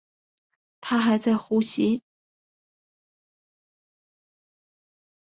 她还在呼吸